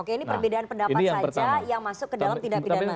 oke ini perbedaan pendapat saja yang masuk ke dalam tindak pidana